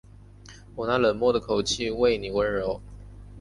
我那冷漠的口气为妳温柔